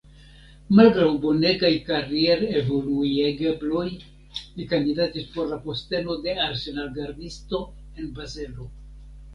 Malgraŭ bonegaj karierevoluigebloj li kandidatis por la posteno de arsenalgardisto en Bazelo.